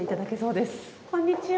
こんにちは。